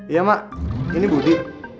iya mak ini budi